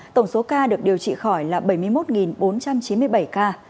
tổng số ca được điều trị khỏi là bảy mươi một bốn trăm chín mươi bảy ca